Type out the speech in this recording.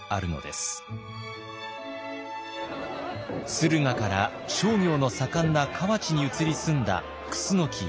駿河から商業の盛んな河内に移り住んだ楠木一族。